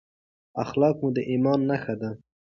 اخلاق مو د ایمان نښه ده.